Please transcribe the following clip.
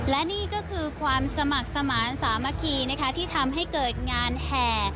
และนี่ก็คือความสมัครสมานสามัคคีนะคะที่ทำให้เกิดงานแห่